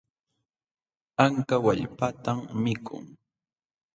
Anka wallpatan mikun.